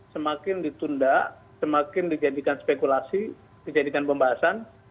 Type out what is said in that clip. semakin ditunda semakin dijadikan spekulasi dijadikan pembahasan